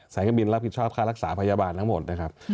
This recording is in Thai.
การบินรับผิดชอบค่ารักษาพยาบาลทั้งหมดนะครับ